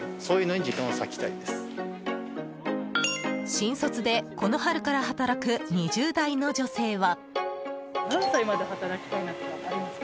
新卒でこの春から働く２０代の女性は。